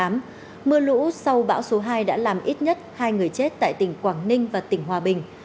mưa lũ sau bão số hai đã làm ít nhất hai người chết tại tỉnh quảng ninh và tỉnh hòa bình